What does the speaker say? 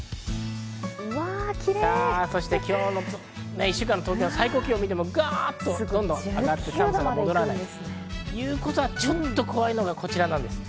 そして１週間の東京は最高気温を見ても、ぐっと上がって寒さは戻らない。ということはちょっと怖いのは、こちらです。